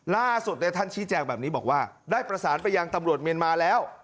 ล่าสุดท่านชี้แจงแบบนี้บอกว่าได้ประสานไปยังตำรวจเมียนมาแล้ว